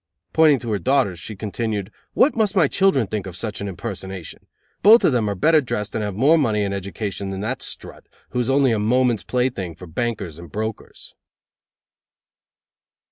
Pointing to her daughters she continued: "What must my children think of such an impersonation? Both of them are better dressed and have more money and education than that strut, who is only a moment's plaything for bankers and brokers!"